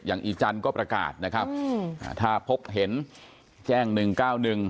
อย่างอีจันก็ประกาศถ้าพบเห็นแจ้งหนึ่งก้าวหนึ่ง